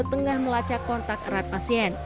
tengah melacak kontak erat pasien